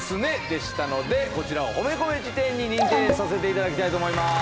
でしたのでこちらを褒めコメ辞典に認定させていただきたいと思います